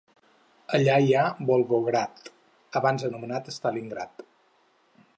Allà hi ha Volgograd, abans anomenat Stalingrad.